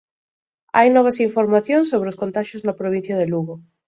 Hai novas informacións sobre os contaxios na provincia de Lugo.